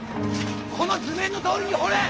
この図面のとおりに掘れ！